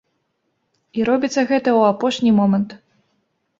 І робіцца гэта ў апошні момант.